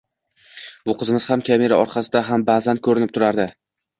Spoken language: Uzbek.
Bu qizimiz ham kamera orqasida ham ba’zan ko‘rinib turadi